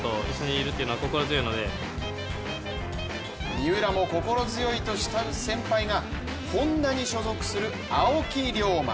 三浦も心強いと慕う先輩がホンダに所属する青木涼真。